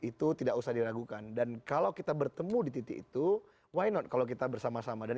itu tidak usah diragukan dan kalau kita bertemu di titik itu why not kalau kita bersama sama dan